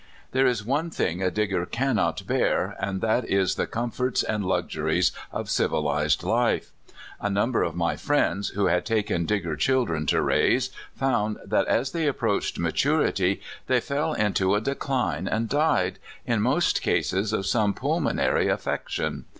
There is one thing a Digger cannot bear, and that is the comforts and luxuries of civilized life. A number of my friends, who had taken Digger children to raise, found that as they approached maturity they fell into a decline and died, in most cases of some pulmonary affection.